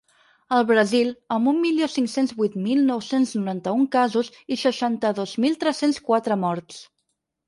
El Brasil, amb un milió cinc-cents vuit mil nou-cents noranta-un casos i seixanta-dos mil tres-cents quatre morts.